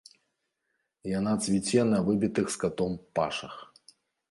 Яна цвіце на выбітых скатом пашах.